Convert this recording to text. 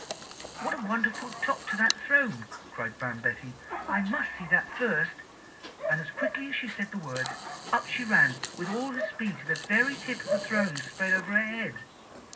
"'What a wonderful top to that throne!' cried Brown Betty; 'I must see that first;' and as quickly as she said the words, up she ran with all speed to the very tip of the throne spread over her head.